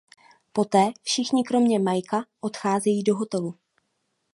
Poté všichni kromě Mikea odcházejí do hotelu.